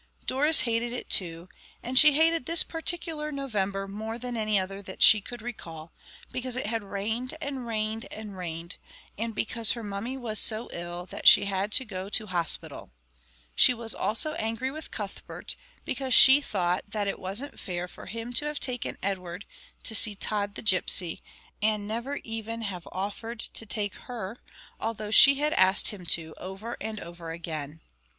Doris hated it too, and she hated this particular November more than any other that she could recall, because it had rained and rained and rained, and because her mummy was so ill that she had had to go to hospital. She was also angry with Cuthbert, because she thought that it wasn't fair for him to have taken Edward to see Tod the Gipsy, and never even have offered to take her, although she had asked him to over and over again.